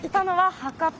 博多